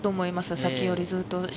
さっきよりずっと。